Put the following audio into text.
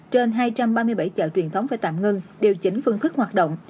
trên hai trăm ba mươi bảy chợ truyền thống phải tạm ngưng điều chỉnh phương thức hoạt động